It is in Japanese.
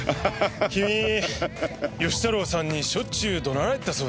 君義太郎さんにしょっちゅう怒鳴られてたそうだねぇ。